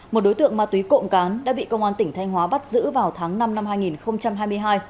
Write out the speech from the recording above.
một đối tượng ma túy cộng cán đã bị công an tỉnh thanh hóa bắt giữ vào tháng năm năm hai nghìn hai mươi hai